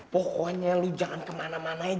pokoknya lo jangan kemana mana aja